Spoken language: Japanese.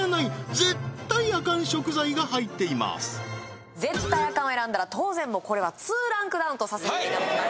絶対アカンを選んだら当然もうこれは２ランクダウンとさせていただきます